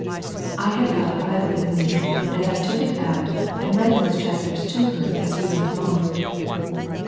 I had got a Bible with me, and I took it out and read these chapters to her as we went along.